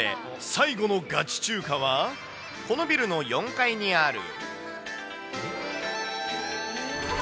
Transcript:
最後のガチ中華は、このビルの４階にある。